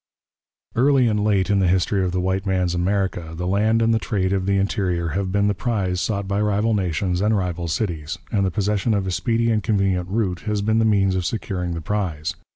Early and late in the history of the white man's America the land and the trade of the interior have been the prize sought by rival nations and rival cities, and the possession of a speedy and convenient route has been the means of securing the prize.